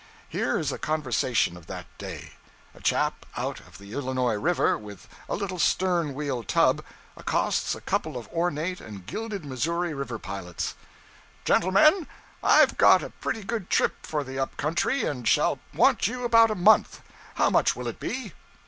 Here is a conversation of that day. A chap out of the Illinois River, with a little stern wheel tub, accosts a couple of ornate and gilded Missouri River pilots 'Gentlemen, I've got a pretty good trip for the upcountry, and shall want you about a month. How much will it be?'